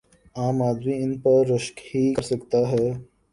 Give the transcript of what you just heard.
عام آدمی ان پہ رشک ہی کر سکتا ہے۔